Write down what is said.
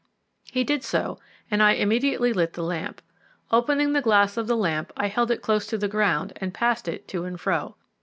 He did so, and I immediately lit the lamp. Opening the glass of the lamp, I held it close to the ground and passed it to and fro.